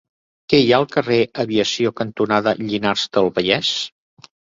Què hi ha al carrer Aviació cantonada Llinars del Vallès?